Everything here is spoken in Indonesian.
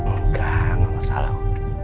enggak gak masalah